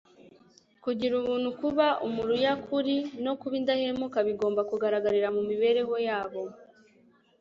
Kugira ubuntu kuba umuruyakuri, no kuba indahemuka bigomba kugaragarira mu mibereho yabo.